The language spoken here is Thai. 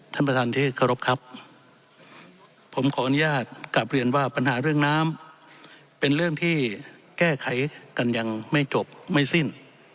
ท่านประธานที่เคารพครับผมขออนุญาตกลับเรียนว่าปัญหาเรื่องน้ำเป็นเรื่องที่แก้ไขกันยังไม่จบไม่สิ้น